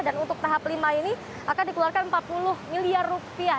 dan untuk tahap lima ini akan dikeluarkan empat puluh miliar rupiah